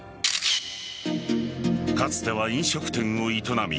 かつては飲食店を営み